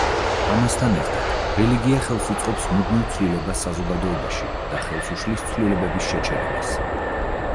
ამასთან ერთად რელიგია ხელს უწყობს მუდმივ ცვლილებას საზოგადოებაში და ხელს უშლის ცვლილებების შეჩერებას.